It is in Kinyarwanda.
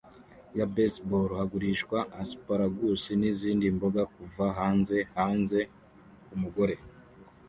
ya baseball bagurisha asparagus nizindi mboga kuva hanze hanze kumugore